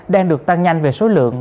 đang được tăng nhanh về số lượng